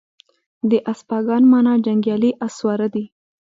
د اسپاگان مانا جنگيالي اس سواره دي